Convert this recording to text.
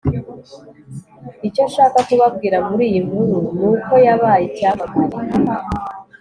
icyo nshaka kubabwira muri iyi nkuru ni uko yabaye icyamamare